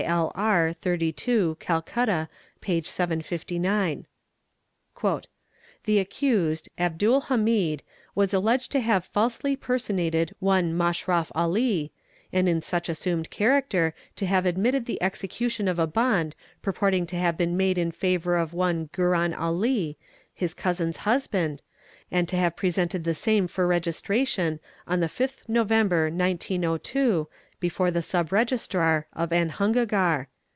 L.R., 32 Calcutta, p. 759. | "The accused, Abdul Hamid, was alleged to have falsely personated — one Moshrof Ali, and in such assumed character to have admitted the © execution of a bond purporting to have been made in favour of one Guron — Ali, his cousin's husband, and to have presented the same for registration on the 5th November 1902 before the Sub Registrar of Adhunagar.